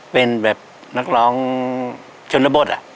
เป็นแบบนักร้องชนบท